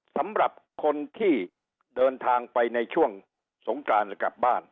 สำหรับคนที่เดินทางไปในช่วงสงการกลับบ้าน